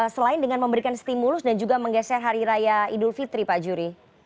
selain dengan memberikan stimulus dan juga menggeser hari raya idul fitri pak juri